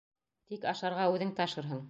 Тик ашарға үҙең ташырһың.